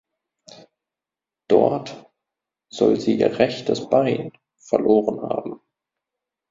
Dort soll sie ihr rechtes Bein verloren haben.